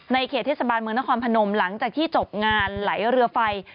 เขตเทศบาลเมืองนครพนมหลังจากที่จบงานไหลเรือไฟ